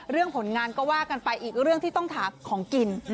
เรื่องผลงานก็วากกันไปอีกเรื่องที่ต้องถามของกิน